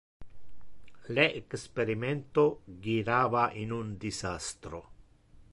Le experimento girava in un disastro.